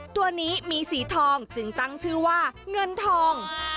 ตัวนี้มีสีทองจึงตั้งชื่อว่าเงินทอง